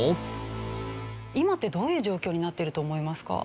今ってどういう状況になってると思いますか？